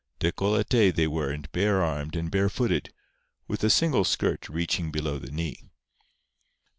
Décolleté they were and bare armed and bare footed, with a single skirt reaching below the knee.